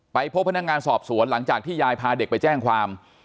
พบพนักงานสอบสวนหลังจากที่ยายพาเด็กไปแจ้งความ